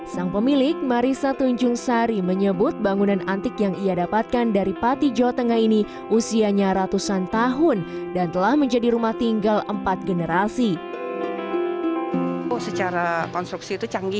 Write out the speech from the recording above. sang pemilik marissa tunjung sari menyebut bangunan antik yang ia dapatkan dari pati jawa tengah ini usianya ratusan tahun dan telah menjadi rumah tinggal empat generasi